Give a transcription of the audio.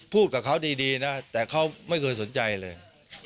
พูดกับเขาดีนะแต่เขาไม่เคยสนใจเลย